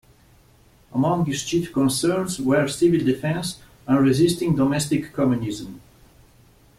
Among his chief concerns were civil defense and resisting domestic communism.